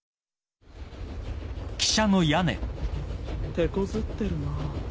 てこずってるな。